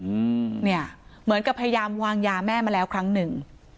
อืมเนี่ยเหมือนกับพยายามวางยาแม่มาแล้วครั้งหนึ่ง